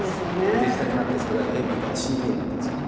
デジタルになってそれがＡＢからＣＤになったんですよね。